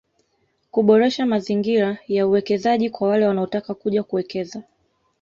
Kuboresha mazingira ya uwekezaji kwa wale wanaotaka kuja kuwekeza